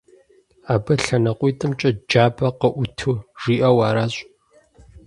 Абы лъэныкъуитӀымкӀи джабэ къыӀуту жиӀэу аращ.